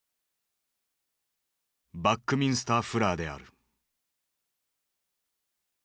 バックミンスター・フラーである。